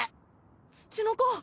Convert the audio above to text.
ツチノコ